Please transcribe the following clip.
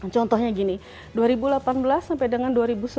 contohnya gini dua ribu delapan belas sampai dengan dua ribu sembilan belas